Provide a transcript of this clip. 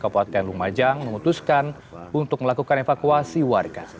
dan lumajang memutuskan untuk melakukan evakuasi warga